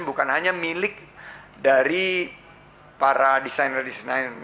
bukan hanya milik dari para desainer desainer